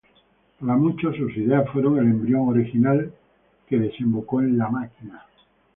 Para muchos, sus ideas fueron el embrión original que desembocó en La Máquina.